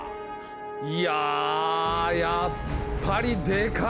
いややっぱりでかいな！